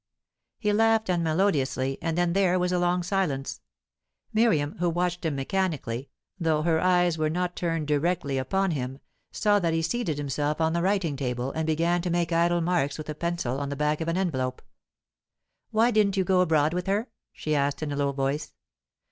He laughed unmelodiously, and then there was a long silence. Miriam, who watched him mechanically, though her eyes were not turned directly upon him, saw that he seated himself on the writing table, and began to make idle marks with a pencil on the back of an envelope. "Why didn't you go abroad with her?" she asked in a low voice.